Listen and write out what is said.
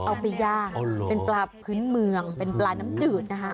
เอาไปย่างเป็นปลาพื้นเมืองเป็นปลาน้ำจืดนะคะ